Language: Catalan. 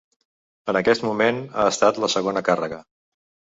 En aquest moment ha estat la segona carrega.